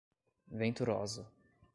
Venturosa